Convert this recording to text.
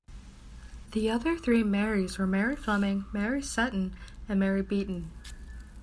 The other three "Marys" were Mary Fleming, Mary Seton and Mary Beaton.